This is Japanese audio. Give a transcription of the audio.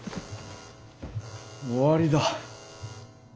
終わりだ。